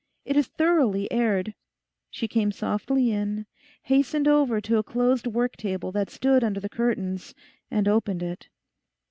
It is thoroughly aired.' She came softly in, hastened over to a closed work table that stood under the curtains, and opened it.